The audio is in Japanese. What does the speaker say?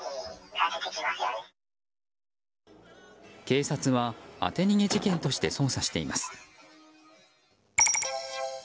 警察は当て逃げ事件として捜査しています。